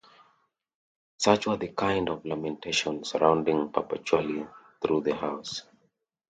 Such were the kind of lamentations resounding perpetually through the house.